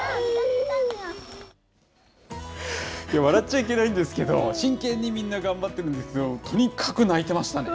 笑っちゃいけないんですけど、真剣にみんな、頑張ってるんですけど、とにかく泣いてましたね。